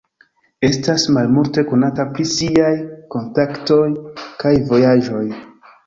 Estas malmulte konata pri siaj kontaktoj kaj vojaĝoj.